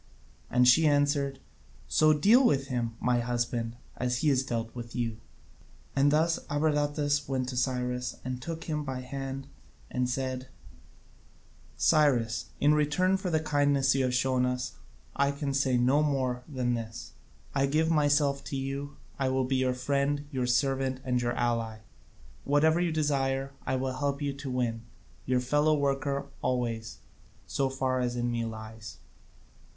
And she answered: "So deal with him, my husband, as he has dealt with you." And thus Abradatas went to Cyrus, and took him by the hand, and said: "Cyrus, in return for the kindness you have shown us, I can say no more than this: I give myself to you, I will be your friend, your servant, and your ally: whatever you desire, I will help you to win, your fellow worker always, so far as in me lies."